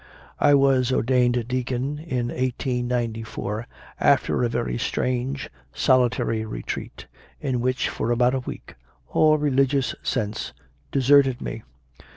8. I was ordained deacon in 1894, after a very strange, solitary retreat, in which for about a week all religious sense deserted me.